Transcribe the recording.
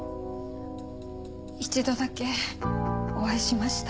一度だけお会いしました。